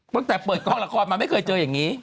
ตั้งแต่เปิดกองละครมาไม่เคยเจออย่างนี้